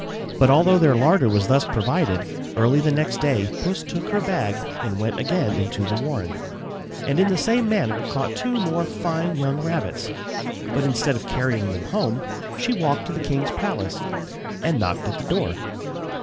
But although their larder was thus provided, early the next day Puss took her bag and went again into the warren, and in the same manner caught two more fine young rabbits. But instead of carrying them home she walked to the king's palace and knocked at the door.